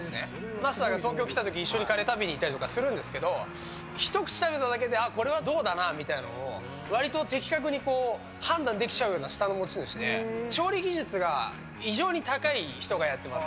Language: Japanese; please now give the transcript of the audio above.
マスターが東京来た時に一緒にカレー食べに行ったりとかするんですけどひと口食べただけでこれはどうだなみたいな割と的確に判断できちゃう舌の持ち主で、調理技術が異常に高い人がやってます。